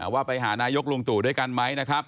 ว่าไปหานายกลุงตู่ด้วยกันไหม